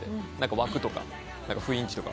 枠とか雰囲気とか。